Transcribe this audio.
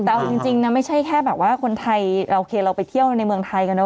แต่เอาจริงนะไม่ใช่แค่แบบว่าคนไทยโอเคเราไปเที่ยวในเมืองไทยกันเนอ